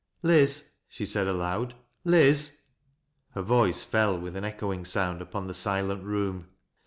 " Liz," she said aloud. " Liz !" Her voice fell with an echoing sound upon the sileni room.